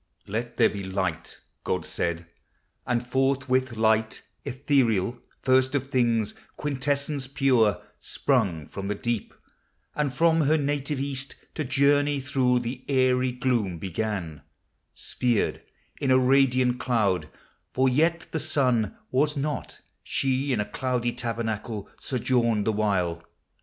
Let there be light," God said ; and forthwith Light Ethereal, first of things, quintessence pure, Sprung from the deep; and from her native east To journey through the aery gloom began, Sphered in a radiant cloud, for yet the Sun Was not; she in a cloudy tabernacle Sojourned the while.